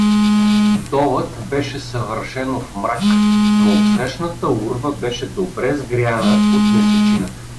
Долът беше съвършено в мрак, но отсрещната урва беше добре сгряна от месечината.